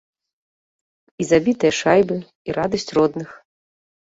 І забітыя шайбы, і радасць родных.